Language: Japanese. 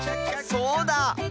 そうだ！